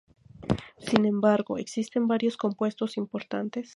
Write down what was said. Sin embargo, existen varios compuestos importantes.